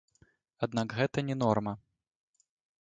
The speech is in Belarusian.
Аднак гэта не норма.